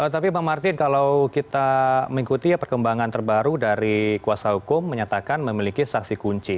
tapi bang martin kalau kita mengikuti perkembangan terbaru dari kuasa hukum menyatakan memiliki saksi kunci